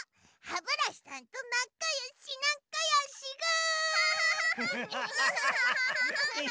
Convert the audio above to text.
ハブラシさんとなかよしなかよしぐ！